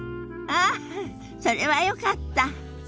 ああそれはよかった。